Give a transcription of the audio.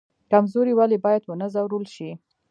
کمزوری ولې باید ونه ځورول شي؟